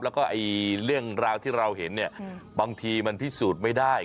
แล้วก็เรื่องราวที่เราเห็นเนี่ยบางทีมันพิสูจน์ไม่ได้